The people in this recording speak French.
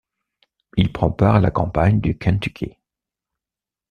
Il prend part à la campagne du Kentucky.